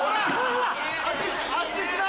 あっち行くな！